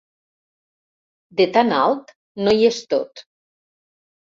De tan alt no hi és tot.